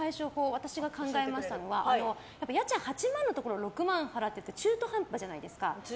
私が考えましたのは家賃８万のところ６万払ってて中途半端じゃないですか。